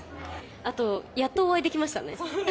あとやっとお会いできましたね。